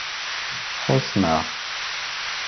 Txuṣṣem-aɣ.